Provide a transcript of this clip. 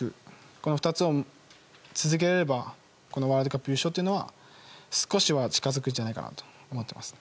この２つを続けられればワールドカップ優勝というのは少しは近づくんじゃないかなと思っています。